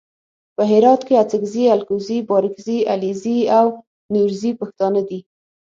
په هرات کې اڅګزي الکوزي بارګزي علیزي او نورزي پښتانه دي.